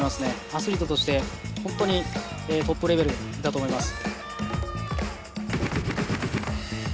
アスリートとして本当にトップレベルだと思います。